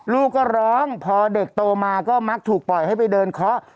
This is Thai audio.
ลูกก็ร้องพอเด็กโตมาก็มักถูกปล่อยให้ไปเดินเคาะ